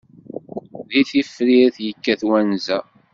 Deg tefrirt yekkat wanza.